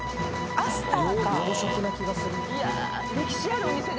アスターだ。